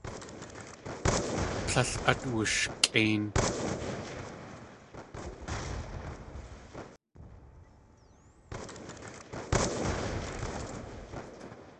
Tlél át wushkʼéin.